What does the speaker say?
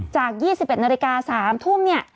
จาก๒๑นาฬิกา๓ทุ่ม